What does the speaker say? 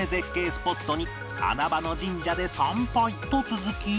スポットに穴場の神社で参拝と続き